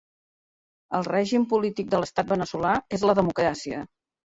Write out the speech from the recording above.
El règim polític de l'Estat veneçolà és la democràcia.